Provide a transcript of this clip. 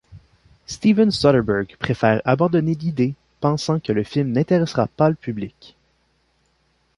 Steven Soderbergh préfère abandonner l'idée, pensant que le film n'intéressera pas le public.